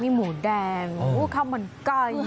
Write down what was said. มีหมูแดงข้าวมันไก่